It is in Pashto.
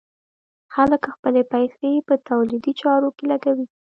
خلک خپلې پيسې په تولیدي چارو کې لګوي.